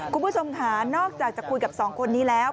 คุณผู้ชมค่ะนอกจากจะคุยกับสองคนนี้แล้ว